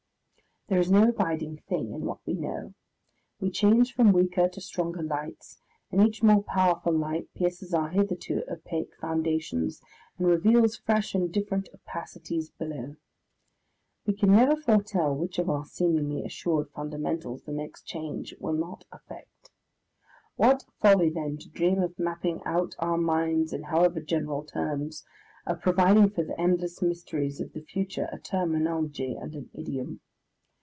There is no abiding thing in what we know. We change from weaker to stronger lights, and each more powerful light pierces our hitherto opaque foundations and reveals fresh and different opacities below. We can never foretell which of our seemingly assured fundamentals the next change will not affect. What folly, then, to dream of mapping out our minds in however general terms, of providing for the endless mysteries of the future a terminology and an idiom!